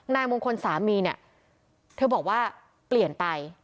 นายมงคลสามีเนี่ยเธอบอกว่าเปลี่ยนไป